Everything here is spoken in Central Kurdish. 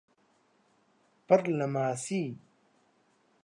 پڕ لە ماسی